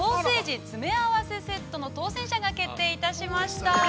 詰め合わせセットの当選者が、決定いたしました。